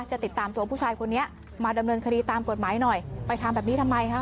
จะติดตามตัวผู้ชายคนนี้มาดำเนินคดีตามกฎหมายหน่อยไปทำแบบนี้ทำไมคะ